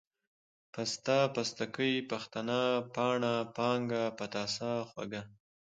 پسته ، پستکۍ ، پښتنه ، پاڼه ، پانگه ، پتاسه، خوږه،